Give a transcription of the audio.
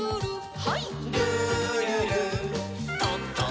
はい。